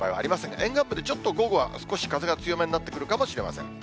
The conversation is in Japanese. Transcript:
沿岸部で午後はちょっと風が強めになってくるかもしれません。